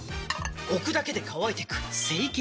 置くだけで乾いてく清潔